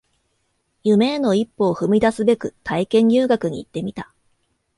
夢への一歩を踏み出すべく体験入学に行ってみた